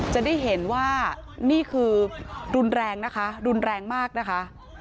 จะได้เห็นว่านี่คือรุนแรงนะคะรุนแรงมากนะคะ